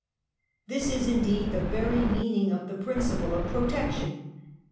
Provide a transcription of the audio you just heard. This is indeed the very me aning of the principle of protection.